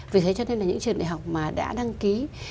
vì thế cho nên là những trường đại học mà đã đăng ký